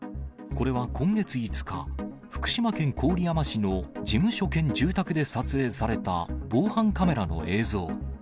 これは今月５日、福島県郡山市の事務所兼住宅で撮影された防犯カメラの映像。